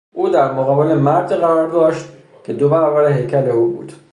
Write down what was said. او در مقابل مردی قرار داشت که دو برابر هیکل او بود.